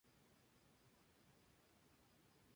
Vídeos musicales y extras incluyendo historias y muchas giras.